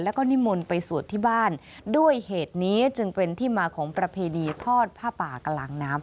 แล้วก็นิมนต์ไปสวดที่บ้านด้วยเหตุนี้จึงเป็นที่มาของประเพณีทอดผ้าป่ากลางน้ำ